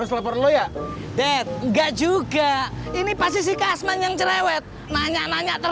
sampai jumpa di video selanjutnya